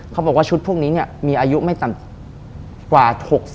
เขาบอกว่าชุดพวกนี้มีอายุไม่ต่ำกว่า๖๐